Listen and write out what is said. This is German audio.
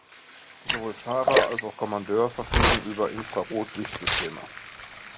Sowohl Fahrer als auch Kommandeur verfügen über Infrarot-Sichtsysteme.